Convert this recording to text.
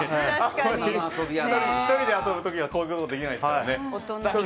１人で遊ぶ時はこういうことできないですからね。